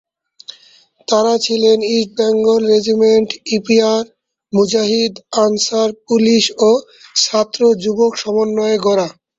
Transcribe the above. তারা ছিলেন East Bengal Regiment, EPR, মুজাহিদ, আনসার, পুলিশ ও ছাত্র-যুবক সমন্বয়ে গড়া।